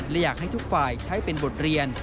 และอยากให้ทุกฝ่ายใช้เป็นบทเรียน